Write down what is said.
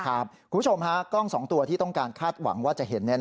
คุณผู้ชมฮะกล้อง๒ตัวที่ต้องการคาดหวังว่าจะเห็น